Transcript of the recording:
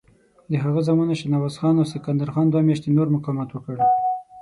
د هغه زامنو شهنواز خان او سکندر خان دوه میاشتې نور مقاومت وکړ.